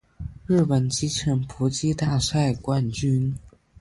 日本机器人搏击大赛冠军